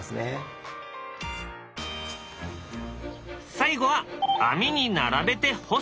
最後は網に並べて干す。